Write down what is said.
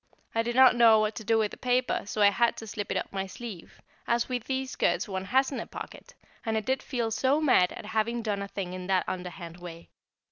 I did not know what to do with the paper, so I had to slip it up my sleeve, as with these skirts one hasn't a pocket, and I did feel so mad at having done a thing in that underhand way.